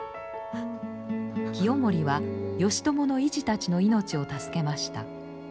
清盛は義朝の遺児たちの命を助けました。